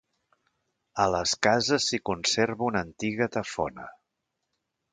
A les cases s'hi conserva una antiga tafona.